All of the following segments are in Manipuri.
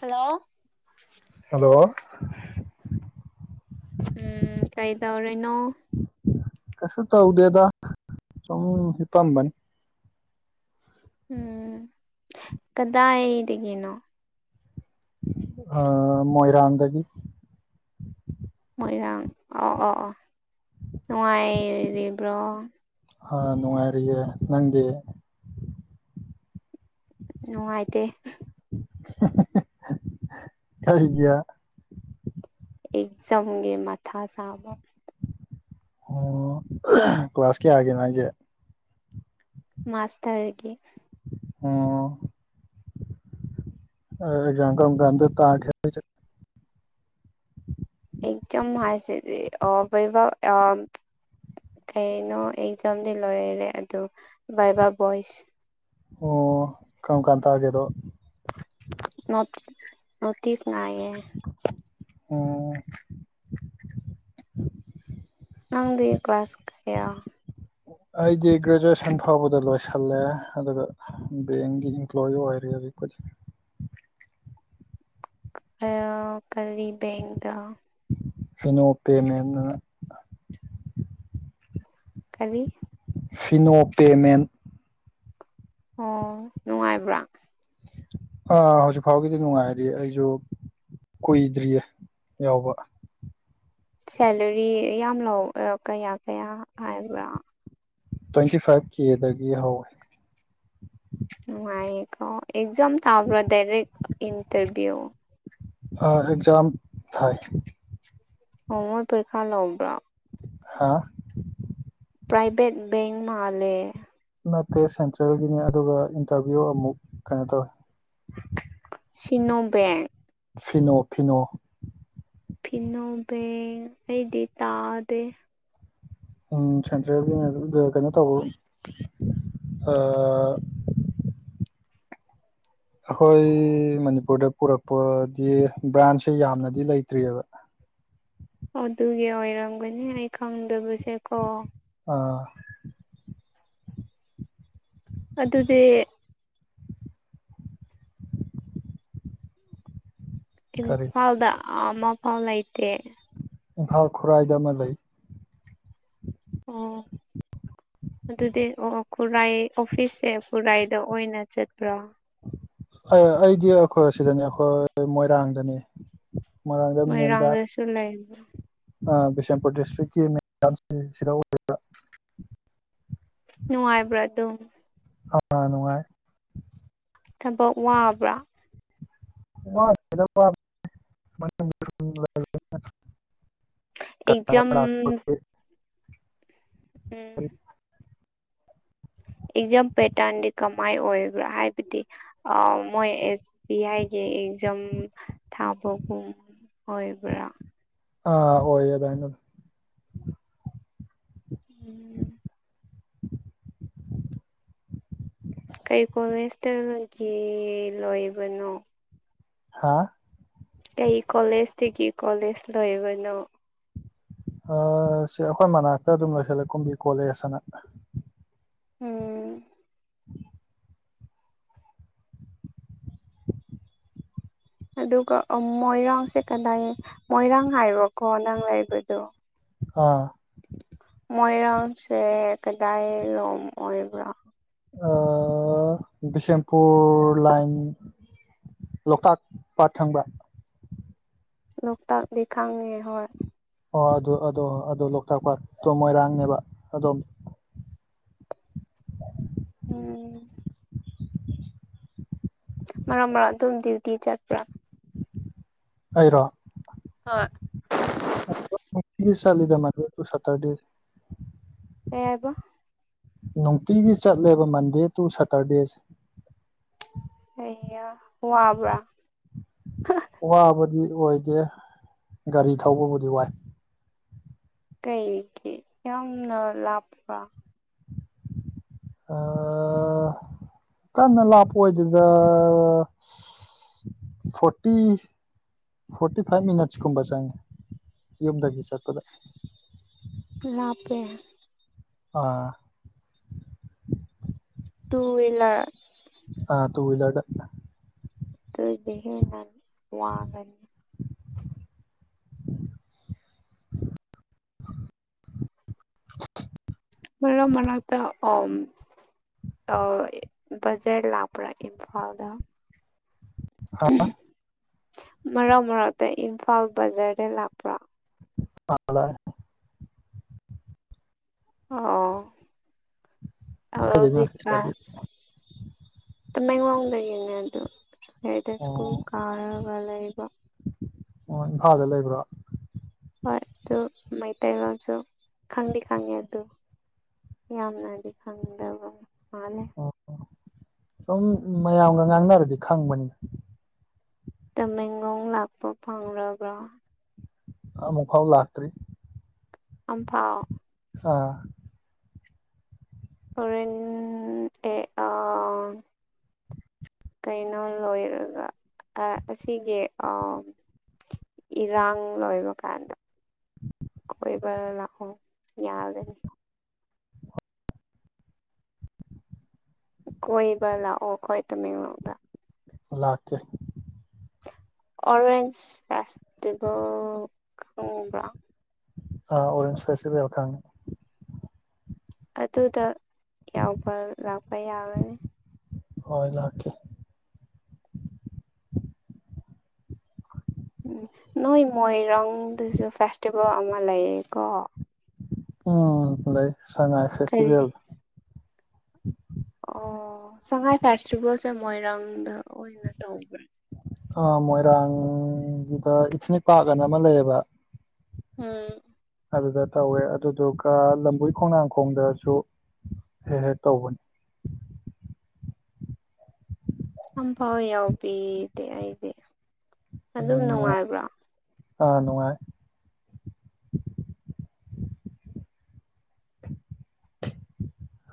ꯍꯜꯂꯣ ꯍꯜꯂꯣ ꯎꯝ ꯀꯩꯗꯧꯔꯤꯅꯣ ꯀꯩꯁꯨ ꯇꯧꯗꯦꯗ ꯁꯨꯝ ꯍꯤꯄꯝꯕꯅꯤ ꯎꯝ ꯀꯗꯥꯏꯗꯒꯤꯅꯣ ꯃꯣꯏꯔꯥꯡꯗꯒꯤ ꯃꯣꯏꯔꯥꯡ ꯑꯣ ꯑꯣ ꯑꯣ ꯅꯨꯡꯉꯥꯏꯔꯤꯕ꯭ꯔꯣ ꯅꯨꯡꯉꯥꯏꯔꯤꯌꯦ ꯅꯪꯗꯤ ꯅꯨꯉꯥꯏꯇꯦ ꯀꯔꯤꯒꯤ ꯑꯦꯛꯖꯥꯝꯒꯤ ꯃꯊꯥ ꯁꯥꯕ ꯑꯣ ꯀ꯭ꯂꯥꯁ ꯀꯌꯥꯒꯤꯅꯣ ꯍꯥꯏꯁꯦ ꯃꯥꯁꯇꯔꯒꯤ ꯑꯣ ꯑꯦꯛꯖꯥꯝ ꯀꯔꯝ ꯀꯥꯟꯗ ꯇꯒꯦ ꯍꯥꯏꯁꯦ ꯑꯦꯖꯥꯝ ꯍꯥꯏꯁꯦꯗꯤ ꯑꯣ ꯕꯩꯕꯥ ꯑꯥ ꯀꯩꯅꯣ ꯑꯦꯛꯖꯥꯝꯗꯤ ꯂꯣꯏꯔꯦ ꯑꯗꯣ ꯚꯥꯏꯕꯥ ꯕꯣꯏꯁ ꯑꯣ ꯀꯥꯔꯝꯀꯥꯟ ꯇꯥꯒꯦ ꯑꯗꯣ ꯅꯣꯇꯤꯁ ꯉꯥꯏꯔꯤꯅꯦ ꯑꯣ ꯅꯡꯗꯤ ꯀ꯭ꯂꯥꯁ ꯀꯥꯌꯥ ꯑꯩꯗꯤ ꯒ꯭ꯔꯦꯖꯨꯑꯦꯁꯟ ꯐꯥꯎꯕꯗ ꯂꯣꯏꯁꯜꯂꯦ ꯑꯗꯨꯒ ꯕꯦꯡꯒꯤ ꯏꯝꯄ꯭ꯂꯣꯌꯤ ꯑꯣꯏꯔꯤ [inaudible] [inaudible] ꯀꯔꯤ ꯕꯦꯡꯛꯗ [unintelligible] ꯀꯔꯤ ꯁꯤꯅꯣ ꯄꯦꯃꯦꯟ ꯑꯣ ꯅꯨꯡꯉꯥꯏꯕ꯭ꯔꯥ ꯑ ꯍꯧꯖꯤꯛ ꯐꯥꯎꯒꯤꯗꯤ ꯅꯨꯡꯉꯥꯏꯔꯤ ꯑꯩꯁꯨ ꯀꯨꯏꯗ꯭ꯔꯤꯌꯦ ꯌꯥꯎꯕ ꯁꯦꯂꯔꯤ ꯌꯥꯝ ꯂꯧ ꯀꯌꯥ ꯀꯌꯥ ꯍꯥꯏꯕ꯭ꯔꯥ ꯇ꯭ꯋꯦꯟꯇꯤ ꯐꯥꯢꯐ ꯀꯦꯗꯒꯤ ꯍꯧꯋꯦ ꯅꯨꯪꯉꯥꯏꯌꯦꯀꯣ ꯑꯦꯛꯖꯝ ꯊꯥꯕ꯭ꯔꯥ ꯗꯗꯥꯏꯔꯦꯛ ꯏꯟꯇꯔꯚ꯭ꯌꯨ ꯑꯦꯛꯖꯥꯝ ꯊꯥꯏ ꯑꯣ ꯃꯣꯏ ꯄꯔꯤꯈꯥ ꯂꯧꯕꯔꯣ ꯍꯥ ꯄ꯭ꯔꯥꯏꯚꯦꯠ ꯕꯦꯡꯛ ꯃꯥꯂꯦ ꯅꯠꯇꯦ ꯁꯦꯟꯇ꯭ꯔꯦꯜꯒꯤꯅꯤ ꯑꯗꯨꯒ ꯏꯟꯇꯔꯚꯤꯌꯨ ꯑꯃꯨꯛ ꯀꯩꯅꯣ ꯇꯧꯋꯦ ꯁꯤꯅꯣ ꯕꯦꯡꯛ ꯐꯤꯅꯣ ꯐꯤꯅꯣ ꯐꯤꯅꯣꯕꯦꯡ ꯑꯩꯗꯤ ꯇꯥꯗꯦ ꯁꯦꯟꯇ꯭ꯔꯦꯜꯒꯤꯅꯦ ꯀꯩꯅꯣ ꯇꯧꯕ [unintelligible] ꯇꯥꯗ꯭ꯔꯦ ꯑꯩꯈꯣꯏ ꯃꯅꯤꯄꯨꯔꯗ ꯄꯨꯔꯛꯄꯗꯤ ꯕ꯭ꯔꯥꯟꯁꯦ ꯌꯥꯝꯅꯗꯤ ꯂꯩꯇ꯭ꯔꯤꯌꯦꯕ ꯑꯣ ꯑꯗꯨꯒꯤ ꯑꯣꯏꯔꯝꯒꯅꯤ ꯑꯩ ꯈꯪꯗꯕꯁꯦꯀꯣ ꯑꯥ ꯑꯗꯨꯗꯤ ꯀꯔꯤ ꯏꯝꯐꯥꯜꯗ ꯑꯃꯐꯥꯎ ꯂꯩꯇꯦ ꯏꯝꯐꯥꯜ ꯈꯨꯔꯥꯏꯗ ꯑꯃ ꯂꯩ ꯑꯣ ꯑꯗꯨꯗꯤ ꯑꯣꯑꯣ ꯈꯨꯔꯥꯏ ꯑꯣꯐꯤꯁꯁꯦ ꯈꯨꯔꯥꯏꯗ ꯑꯣꯏꯅ ꯆꯠꯄ꯭ꯔꯣ ꯑ ꯑꯩꯗꯤ ꯑꯩꯈꯣꯏ ꯁꯤꯗꯅꯦ ꯑꯩꯈꯣꯏ ꯃꯣꯏꯔꯥꯡꯗꯅꯦ ꯃꯣꯢꯔꯥꯡꯗ ꯃꯦꯟꯕꯥꯔꯟ ꯃꯣꯏꯔꯥꯡꯗꯁꯨ ꯂꯩꯕ꯭ꯔꯥ ꯑ ꯕꯤꯁꯦꯝꯄꯨꯔ ꯗꯤꯁꯇ꯭ꯔꯤꯛꯀꯤ ꯁꯤꯗ ꯑꯣꯏꯔꯤꯕ ꯅꯨꯡꯉꯥꯏꯕ꯭ꯔꯥ ꯑꯗꯨ ꯑ ꯅꯨꯡꯉꯥꯏ ꯊꯕꯛ ꯋꯥꯕ꯭ꯔꯥ [unintelligible] ꯑꯦꯛꯖꯥꯝ ꯀꯁꯇꯥꯃꯔ ꯂꯥꯛꯄꯒꯤ ꯎꯝ ꯑꯦꯛꯖꯥꯝ ꯄꯦꯇꯔꯟꯗꯤ ꯀꯝ ꯃꯥꯏ ꯑꯣꯏꯕ꯭ꯔꯥ ꯍꯥꯏꯕꯗꯤ ꯑ ꯃꯣꯏ ꯑꯦꯁ ꯕꯤ ꯑꯥꯏꯒꯤ ꯑꯦꯛꯖꯥꯝ ꯊ ꯄꯣꯒꯨꯝ ꯑꯣꯏꯕ꯭ꯔꯥ ꯑꯥ ꯑꯣꯏꯌꯦ ꯑꯗꯨꯃꯥꯢꯅ ꯗꯨꯝ ꯎꯝ ꯏꯟꯇꯔꯅꯦꯜꯒꯤ ꯂꯣꯏꯕꯅꯣ ꯍꯥꯥ ꯀꯩ ꯀꯣꯂꯦꯖꯇꯒꯤ ꯀꯣꯂꯦꯖ ꯂꯣꯢꯕꯅꯣ ꯑ ꯁꯤ ꯑꯩꯈꯣꯏ ꯃꯅꯥꯛꯇ ꯑꯗꯨꯝ ꯂꯣꯏꯁꯤꯜꯂꯦ ꯀꯨꯝꯕꯤ ꯀꯣꯂꯦꯖꯅ ꯎꯝ ꯑꯗꯨꯒ ꯑ ꯃꯣꯏꯔꯥꯡꯁꯦ ꯀꯗꯥꯏ ꯃꯣꯏꯔꯥꯡ ꯍꯥꯏꯔꯣꯀꯣ ꯅꯪ ꯂꯩꯕꯗꯨ ꯑꯥ ꯃꯣꯏꯔꯥꯡꯁꯦ ꯀꯗꯥꯢ ꯂꯣꯝ ꯑꯣꯏꯕ꯭ꯔꯥ ꯑ ꯕꯤꯁꯦꯝꯄꯨꯔ ꯂꯥꯏꯟ ꯂꯣꯛꯇꯥꯛ ꯄꯥꯠ ꯈꯪꯕ꯭ꯔꯥ ꯂꯣꯛꯇꯥꯛꯇꯤ ꯈꯪꯉꯦ ꯍꯣꯏ ꯑꯣ ꯑꯗꯨ ꯑꯗꯣ ꯑꯗꯨ ꯂꯣꯛꯇꯥꯛ ꯄꯥꯠ ꯃꯣꯏꯔꯥꯡꯅꯦꯕ ꯑꯗꯣꯝ ꯎꯝ ꯃꯔꯛ ꯃꯔꯛ ꯑꯗꯨꯝ ꯗꯋꯨꯇꯤ ꯆꯠꯄ꯭ꯔꯥ ꯑꯩꯔꯣ ꯍꯣꯏ ꯑꯗꯨꯝ ꯅꯨꯡꯇꯤꯒꯤ ꯆꯠꯂꯤꯗ ꯃꯟꯗꯦ ꯇꯨ ꯁꯦꯠꯇꯔꯗꯦ ꯗꯤ ꯀꯩ ꯍꯥꯏꯕ ꯅꯨꯡꯇꯤꯒꯤ ꯆꯠꯂꯦꯕ ꯃꯟꯗꯦ ꯇꯨ ꯁꯦꯠꯇꯔꯗꯦꯁꯦ ꯑꯩꯌꯥ ꯋꯥꯕ꯭ꯔꯥ ꯋꯥꯕꯗꯤ ꯑꯣꯏꯗꯦ ꯒꯥꯔꯤ ꯊꯧꯕꯕꯨꯗꯤ ꯋꯥꯏ ꯀꯩꯒꯤ ꯌꯥꯝꯅ ꯂꯥꯞꯄ꯭ꯔꯣ ꯑꯑꯑꯑꯑ ꯀꯟꯅ ꯂꯥꯞꯄ ꯑꯣꯏꯗꯦꯗ ꯐꯣꯔꯇꯤ ꯐꯣꯔꯇꯤ ꯐꯥꯏꯚ ꯃꯤꯅꯠꯁ ꯀꯨꯝꯕ ꯆꯪꯉꯦ ꯌꯨꯝꯗꯒꯤ ꯆꯠꯄꯗ ꯂꯥꯞꯄꯦ ꯑꯥ ꯇꯨ ꯋꯤꯜꯂꯔ ꯑꯥ ꯇꯨ ꯋꯤꯜꯂꯔꯗ ꯇꯧꯗꯦꯍꯦ ꯅꯪ ꯋꯥꯥꯒꯅꯤ [unintelligible] [inaudible] ꯃꯔꯛ ꯃꯔꯛ ꯇ ꯑꯣꯝ ꯑꯧ ꯕꯖꯔ ꯂꯥꯛꯄ꯭ꯔꯥ ꯏꯝꯐꯥꯜꯗ ꯍꯥꯥ ꯃꯔꯛ ꯃꯔꯛꯇ ꯏꯝꯐꯥꯜ ꯕꯖꯥꯔꯗ ꯂꯥꯛꯄ꯭ꯔꯥ ꯑ ꯂꯥꯛꯑꯦ ꯑꯣ ꯀꯩꯗꯩꯅꯣ ꯍꯧꯖꯤꯛꯀꯥꯟ ꯁꯤꯁꯇꯔꯗꯤ ꯇꯃꯦꯡꯂꯣꯡꯗꯒꯤꯅꯦ ꯑꯗꯨ ꯑꯩꯗꯣ ꯁ꯭ꯀꯨꯜ ꯑꯣ ꯀꯥꯔꯒ ꯂꯩꯕ ꯑꯣ ꯏꯝꯐꯥꯜꯗ ꯂꯩꯕ꯭ꯔꯣ ꯍꯣꯏ ꯑꯗꯨ ꯃꯩꯇꯩꯔꯣꯟꯜꯁꯨ ꯈꯪꯗꯤ ꯈꯪꯉꯦ ꯑꯗꯨ ꯌꯥꯝꯅꯗꯤ ꯈꯪꯗꯕ ꯃꯥꯜꯂꯦ ꯑꯣ ꯁꯨꯝ ꯃꯌꯥꯝꯒ ꯉꯥꯡꯅꯔꯗꯤ ꯈꯪꯕꯅꯤꯅ ꯇꯃꯦꯡꯂꯣꯡ ꯂꯥꯛꯄ ꯐꯪꯂꯕ꯭ꯔꯥ ꯑꯃꯨꯛ ꯐꯥꯎ ꯂꯥꯛꯇ꯭ꯔꯤ ꯑꯝ ꯐꯥꯎ ꯑꯥ ꯍꯣꯔꯦꯟ ꯇꯦ ꯑꯥ ꯀꯩꯅꯣ ꯂꯣꯏꯔꯒ ꯑꯁꯤꯒꯤ ꯏꯔꯥꯡ ꯂꯣꯏꯕ ꯀꯥꯟꯗ ꯀꯣꯏꯕ ꯂꯛꯑꯣ ꯌꯥꯔꯅꯤ ꯀꯣꯏꯕ ꯂꯥꯛꯑꯣꯈꯣꯏ ꯇꯃꯦꯡꯂꯣꯡ ꯗ ꯂꯛꯀꯦ ꯑꯣꯔꯦꯟꯖ ꯐꯦꯁꯇꯤꯕꯜ ꯈꯪꯕ꯭ꯔꯥ ꯑꯥ ꯑꯣꯔꯦꯟꯖ ꯐꯦꯁꯤꯐꯜ ꯈꯪꯉꯦ ꯑꯗꯨꯗ ꯌꯥꯎꯕ ꯂꯥꯛꯄ ꯌꯥꯒꯅꯤ ꯍꯣꯏ ꯂꯥꯛꯀꯦ ꯎꯝ ꯅꯣꯏ ꯃꯣꯏꯔꯥꯡꯗꯁꯨ ꯐꯦꯁꯇꯤꯚꯦꯜ ꯑꯃ ꯂꯩꯌꯦꯀꯣ ꯎꯝ ꯂꯩ ꯁꯉꯥꯏ ꯀꯔꯤ ꯐꯦꯁꯇꯤꯚꯦꯜ ꯑꯣ ꯁꯉꯥꯏ ꯐꯦꯁꯇꯤꯚꯦꯜꯁꯦ ꯃꯣꯏꯔꯥꯡꯗ ꯑꯣꯏꯅ ꯇꯧꯕ꯭ꯔꯥ ꯑꯥ ꯃꯣꯏꯔꯥꯡꯒꯤꯗ ꯏꯊꯅꯤꯛ ꯄꯥꯔꯛ ꯑꯅ ꯑꯃ ꯂꯩꯌꯦꯕ ꯎꯝ ꯑꯗꯨꯗ ꯇꯧꯋꯦ ꯑꯗꯨꯗꯨꯒ ꯂꯝꯕꯣꯏ ꯈꯣꯡꯅꯥꯡꯈꯣꯡꯗꯁꯨ ꯍꯦꯛ ꯍꯦꯛ ꯇꯧꯕꯅꯤ [inaudible] ꯑꯝ ꯐꯥꯎ ꯌꯥꯎꯕꯤꯗꯦ ꯑꯩꯗꯤ ꯑꯗꯨꯝ ꯎꯝ ꯅꯨꯡꯉꯥꯏ ꯅꯨꯡꯉꯥꯏꯕ꯭ꯔꯣ ꯑꯥ ꯅꯨꯡꯉꯥꯏꯌꯦ [inaudible]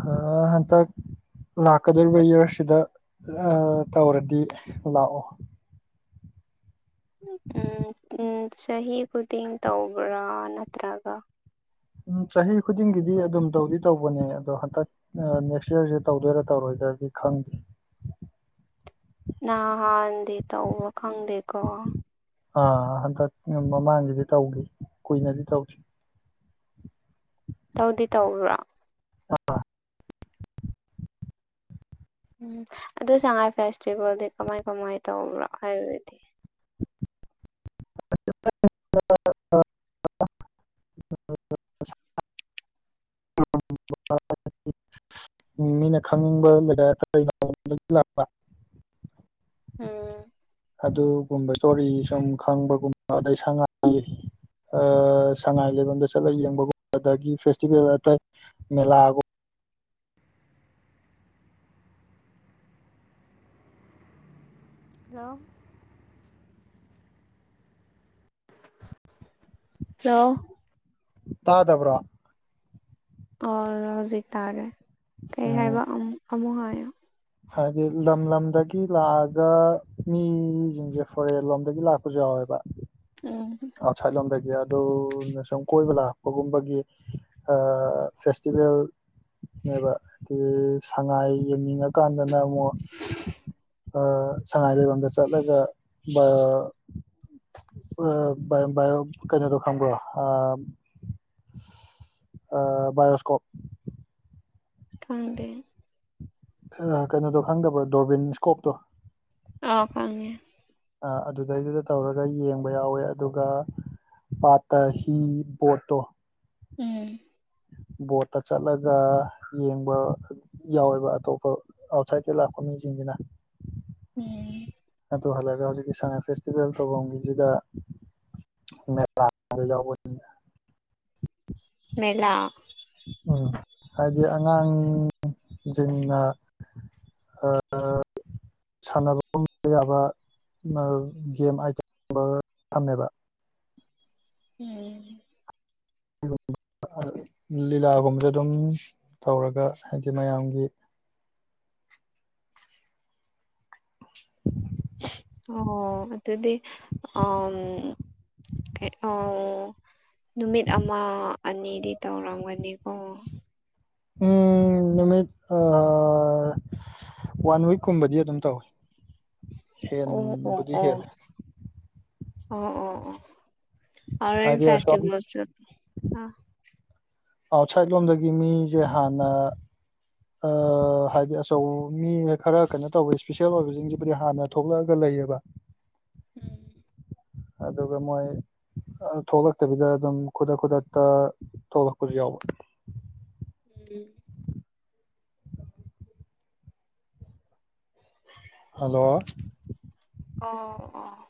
ꯍꯥ ꯍꯥꯟꯇꯛ ꯂꯥꯛꯀꯗꯧꯔꯤꯕ ꯏꯌꯥꯔꯁꯤꯗ ꯇꯧꯔꯗꯤ ꯂꯥꯛꯑꯣ ꯎꯝ ꯎꯝ ꯆꯍꯤ ꯈꯨꯗꯤꯡ ꯇꯧꯕ꯭ꯔꯥ ꯅꯠꯇ꯭ꯔꯒ ꯎꯝ ꯆꯍꯤ ꯈꯨꯗꯤꯡꯒꯤꯗꯤ ꯑꯗꯨꯝ ꯇꯧꯗꯤ ꯇꯧꯕꯅꯦ ꯑꯗꯣ ꯍꯟꯗꯛ ꯅꯦꯛꯁ ꯏꯔꯁꯤ ꯇꯧꯗꯣꯏꯔꯥ ꯇꯧꯔꯣꯏ ꯑꯗꯨꯗꯤ ꯈꯪꯗꯦ [inaudible] ꯅꯍꯥꯟꯗꯤ ꯇꯧꯕ ꯈꯪꯗꯦꯀꯣ ꯑꯥ ꯍꯟꯗꯛ ꯃꯃꯥꯡꯒꯤꯗꯤ ꯇꯧꯈꯤ ꯀꯨꯏꯅꯗꯤ ꯇꯧꯗ꯭ꯔꯤ ꯇꯧꯗꯤ ꯇꯧꯕ꯭ꯔ ꯑꯥ ꯎꯝ ꯑꯗꯨ ꯁꯉꯥꯏ ꯐꯦꯁꯇꯤꯚꯦꯜꯗꯤ ꯀꯃꯥꯏ ꯀꯃꯥꯏ ꯇꯧꯕ꯭ꯔꯥ ꯍꯥꯏꯔꯗꯤ [unintelligible] [unintelligible] ꯃꯤꯅ ꯈꯪꯅꯤꯡꯕ [unintelligible] ꯗꯥꯩꯅ ꯂꯥꯛꯄ ꯎꯝ ꯑꯗꯨ ꯨꯎꯝꯕ ꯏꯁꯇꯣꯔꯤ ꯁꯨꯝ ꯈꯪꯕꯒꯨꯝꯕ ꯑꯗꯩ ꯁꯉꯥꯏ ꯑꯥ ꯁꯉꯥꯏ ꯂꯩꯔꯣꯝꯗ ꯆꯠꯂꯒ ꯌꯦꯡꯕꯒꯨꯝꯕ ꯑꯗꯒꯤ ꯐꯦꯁꯇꯤꯚꯦꯜ ꯑꯇꯩ ꯃꯦꯂꯥꯒꯨꯝꯕ ꯍꯜꯂꯣ ꯂꯣ ꯇꯥꯗꯕ꯭ꯔꯣ ꯑꯥ ꯍꯧꯖꯤꯛ ꯇꯥꯔꯦ ꯀꯩ ꯎꯝ ꯍꯥꯏꯕ ꯑꯃꯨ ꯑꯃꯨꯛ ꯍꯥꯏꯌꯣ ꯍꯥꯏꯗꯤ ꯂꯝ ꯂꯝꯗꯒꯤ ꯂꯥꯛꯑꯒ ꯃꯤꯁꯤꯡꯖꯦ ꯐꯣꯔꯦꯟ ꯂꯣꯝꯗꯒꯤ ꯂꯥꯛꯄꯁꯨ ꯌꯥꯎꯋꯦ ꯍꯣꯏꯕ ꯎꯝ ꯑꯎ ꯁꯏꯠ ꯂꯣꯝꯗꯒꯤ ꯌꯗꯨꯅ ꯁꯨꯝ ꯀꯣꯏꯕ ꯂꯥꯛꯄꯒꯨꯝꯕꯒꯤ ꯑꯥ ꯐꯦꯁꯇꯤꯚꯦꯜ ꯅꯦꯕ ꯑꯥ ꯁꯉꯥꯏ ꯌꯦꯡꯅꯤꯡꯉꯀꯥꯟꯗꯅ ꯑꯃꯨꯛ ꯑꯥ ꯁꯉꯥꯏ ꯂꯩꯐꯝꯗ ꯆꯠꯂꯒ ꯑꯥ ꯑꯥ ꯕꯥꯏꯌꯣꯝ ꯕꯥꯏꯌꯣꯝ ꯀꯩꯅꯣꯗꯣ ꯈꯪꯕ꯭ꯔꯣ ꯑꯥ ꯑꯥ ꯕꯌꯣꯁꯀꯣꯞ ꯈꯪꯗꯦ ꯀꯩꯅꯣꯗꯣ ꯈꯪꯗꯕ꯭ꯔꯣ ꯗꯣꯔꯕꯤꯟ ꯏꯁꯀꯣꯞꯇꯣ ꯑꯣ ꯐꯡꯉꯦ ꯑꯗꯨꯗꯩꯗꯨꯗ ꯇꯧꯔꯒ ꯌꯦꯡꯕ ꯌꯥꯎꯋꯦ ꯑꯗꯨꯒ ꯄꯥꯇ ꯍꯤ ꯄꯣꯠꯇꯣ ꯎꯝ ꯕꯣꯠꯇ ꯆꯠꯂꯒ ꯌꯦꯡꯕ ꯌꯥꯎꯋꯦꯕ ꯑꯇꯣꯞꯄ ꯑꯥꯎꯠꯁꯥꯏꯠꯇꯩ ꯂꯥꯛꯄ ꯃꯤꯁꯤꯡꯗꯨꯅ ꯎꯝ ꯑꯗꯨ ꯍꯜꯂꯒ ꯍꯧꯖꯤꯛꯀꯤ ꯁꯉꯥꯏ ꯐꯦꯁꯇꯤꯚꯦꯜ ꯇꯧꯐꯝꯒꯤꯁꯤꯗ [unintelligible] ꯃꯦꯂꯥ ꯎꯝ ꯍꯥꯏꯗꯤ ꯑꯉꯥꯡꯖꯤꯡꯅ ꯑꯥ ꯁꯥꯟꯅꯕꯨꯝ ꯌꯥꯕ [unintelligible] ꯒꯦꯝ ꯑꯥꯏꯇꯦꯝꯒꯨꯝꯕ ꯊꯝꯃꯦꯕ ꯎꯝ [unintelligible] ꯂꯤꯂꯥꯒꯨꯝꯕꯗ ꯑꯗꯨꯝ ꯇꯧꯔꯒ ꯍꯥꯏꯗꯤ ꯃꯌꯥꯝꯒꯤ ꯑꯣ ꯑꯗꯨꯗꯤ ꯑꯝ ꯑ ꯀꯩ ꯑꯣ ꯅꯨꯃꯤꯠ ꯑꯃ ꯑꯅꯤꯗꯤ ꯇꯧꯔꯝꯒꯅꯤꯀꯣ ꯎꯝ ꯅꯨꯃꯤꯠ ꯑ ꯋꯥꯟꯋꯤꯛꯀꯨꯝꯕꯗꯤ ꯑꯗꯨꯝ ꯇꯧꯋꯤ ꯑꯣ ꯑꯣ ꯍꯦꯟꯕꯨꯗꯤ ꯑꯣ ꯍꯦꯜꯂꯦ ꯑꯣ ꯑꯣ ꯑꯣ ꯑꯣꯔꯦꯜ ꯍꯥꯏꯗꯤ ꯑꯁꯣꯝ ꯐꯦꯁꯇꯤꯕꯦꯜꯁꯨ ꯑꯥ ꯑꯥꯎꯠꯁꯥꯏꯠ ꯂꯣꯝꯗꯒꯤ ꯃꯤꯁꯦ ꯍꯥꯟꯅ ꯑꯥ ꯍꯥꯏꯗꯤ ꯑꯆꯧꯕ ꯃꯤ ꯈꯔ ꯀꯩꯅꯣ ꯇꯧꯕ ꯏꯁꯄꯤꯁꯦꯜ ꯑꯣꯏꯕꯁꯤꯡꯁꯤꯕꯨꯗꯤ ꯍꯥꯟꯅ ꯊꯣꯛꯂꯛꯑꯒ ꯂꯩ ꯀꯩꯌꯦꯕ ꯎꯝ ꯑꯗꯨꯒ ꯃꯣꯏ ꯑꯗꯨ ꯊꯣꯛꯂꯛꯇꯕꯤꯗ ꯑꯗꯨꯝ ꯈꯨꯗꯛ ꯈꯨꯗꯛꯇ ꯊꯣꯛꯂꯛꯄꯁꯨ ꯌꯥꯎꯕ ꯎꯝ ꯍꯜꯂꯣ ꯑꯣ ꯑꯣ